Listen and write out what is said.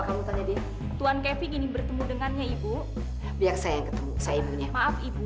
kondisi tuan kevin belum pulih benar